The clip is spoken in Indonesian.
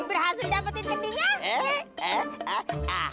berhasil dapetin kemungkinan